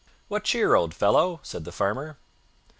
"What cheer, old fellow?" said the Farmer.